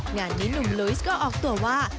งานนี้หนุ่มลุยสก็ออกตัวว่า